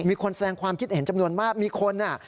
มีคนแสดงความคิดเห็นจำนวนมากมีคนอ่ะ